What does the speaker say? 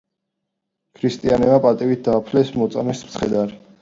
ქრისტიანებმა პატივით დაფლეს მოწამის ცხედარი.